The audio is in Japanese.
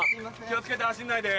気を付けて走んないで。